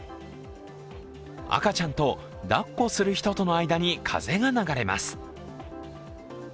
赤ちゃんと、だっこする人との間に風が流れます。